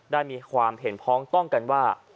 ได้มีความเห็นพ้องต้องกันว่า